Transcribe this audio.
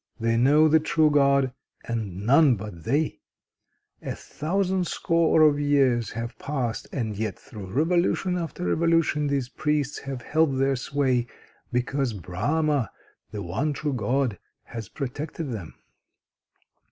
They know the true God, and none but they. A thousand score of years have passed, and yet through revolution after revolution these priests have held their sway, because Brahma, the one true God, has protected them."